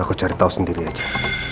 aku cari tahu sendiri aja